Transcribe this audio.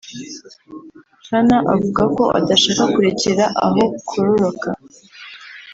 Chana avuga ko adashaka kurekera aho kororoka